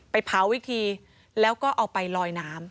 เผาอีกทีแล้วก็เอาไปลอยน้ำ